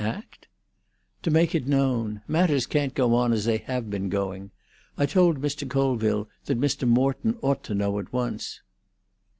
"Act?" "To make it known. Matters can't go on as they have been going. I told Mr. Colville that Mr. Morton ought to know at once."